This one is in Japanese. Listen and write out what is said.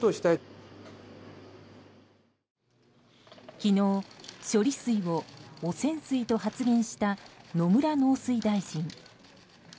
昨日、処理水を汚染水と発言した野村農水大臣。